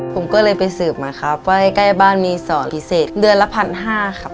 ผมก็เลยไปสืบมาครับว่าใกล้บ้านมีสอพิเศษเดือนละพันห้าครับ